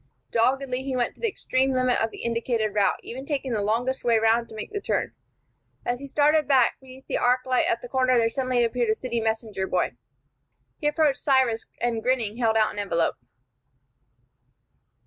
Doggedly he went to the extreme limit of the indicated route, even taking the longest way round to make the turn. As he started back, beneath the arc light at the corner there suddenly appeared a city messenger boy. He approached Cyrus, and, grinning, held out an envelope.